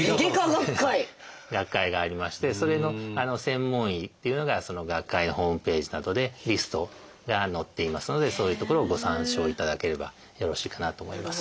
学会がありましてそれの専門医というのがその学会のホームページなどでリストが載っていますのでそういう所をご参照いただければよろしいかなと思います。